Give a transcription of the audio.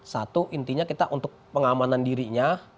satu intinya kita untuk pengamanan dirinya